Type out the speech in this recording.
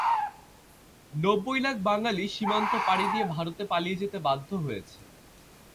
নব্বই লাখ বাঙালি সীমান্ত পাড়ি দিয়ে ভারতে পালিয়ে যেতে বাধ্য হয়েছে।